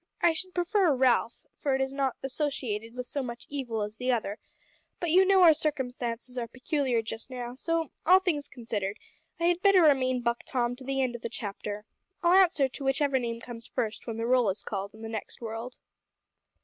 I should prefer `Ralph,' for it is not associated with so much evil as the other, but you know our circumstances are peculiar just now, so, all things considered, I had better remain Buck Tom to the end of the chapter. I'll answer to whichever name comes first when the roll is called in the next world."